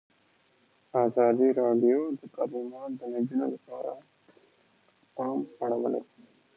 ازادي راډیو د تعلیمات د نجونو لپاره ته پام اړولی.